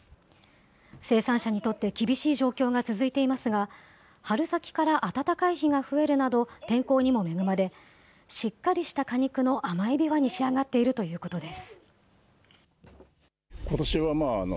生産者にとって厳しい状況が続いていますが、春先から暖かい日が増えるなど天候にも恵まれ、しっかりした果肉の甘いびわに仕上がっているということです。